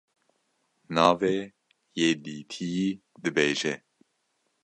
navê yê dîtiyî dibêje.